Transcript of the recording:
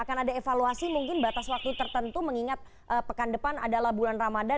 dan ada evaluasi mungkin batas waktu tertentu mengingat pekan depan adalah bulan ramadan